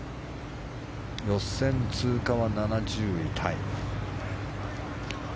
予選通過は７０位タイ。